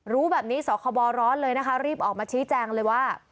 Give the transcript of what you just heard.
รู้แบบนี้สคบร้อนเลยนะคะรีบออกมาชี้แจงเลยว่า